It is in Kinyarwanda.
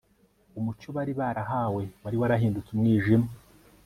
Umucyo bari barahawe wari warahindutse umwijima